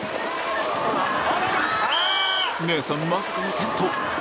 姉さんまさかの転倒！